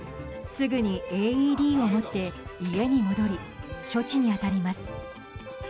すぐにＡＥＤを持って家に戻り処置に当たります。